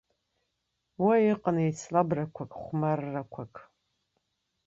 Уа иҟан еицлабрақәак, хәмаррақәак.